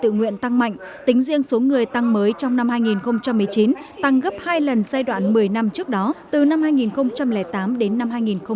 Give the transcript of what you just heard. năm hai nghìn một mươi chín tăng gấp hai lần giai đoạn một mươi năm trước đó từ năm hai nghìn tám đến năm hai nghìn một mươi tám